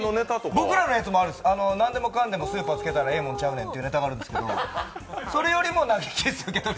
僕らのやつもあるんです、なんでもかんでもスーパーつけたらええもんちゃんねんというネタがあるんですけどそれよりも投げキッス受けとめ